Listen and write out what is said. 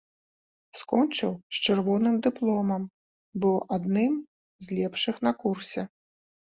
Скончыў з чырвоным дыпломам, быў адным з лепшых на курсе.